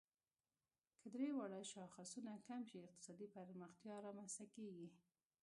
که درې واړه شاخصونه کم شي، اقتصادي پرمختیا رامنځ ته کیږي.